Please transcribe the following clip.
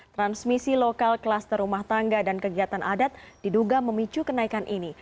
transmisi lokal klaster rumah tangga dan kegiatan adat diduga memicu kenaikan ini